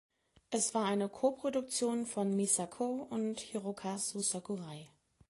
Es war eine Co-Produktion von Misako und Hirokazu Sakurai.